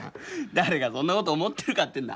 誰がそんなこと思っているかって言うんだ。